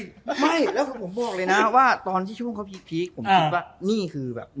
ไม่แล้วผมบอกเลยนะว่าตอนที่ช่วงเขาพีคผมคิดว่านี่คือแบบ